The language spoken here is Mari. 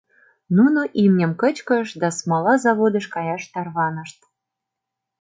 Нуно имньым кычкышт да смола заводыш каяш тарванышт.